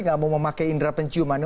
gak mau memakai indera penciumannya